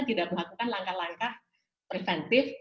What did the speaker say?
tidak melakukan langkah langkah preventif